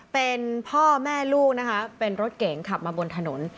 เป็นพ่อแม่ลูกนะคะเป็นรถเก๋งขับมาบนถนน